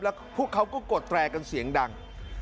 แล้วพวกเขาก็กดแตรกันเสียงดัง